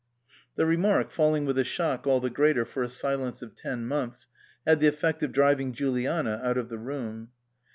The remark, falling with a shock all the greater for a silence of ten months, had the effect of driving Juliana out of the room.